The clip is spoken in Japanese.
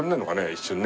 一瞬ね。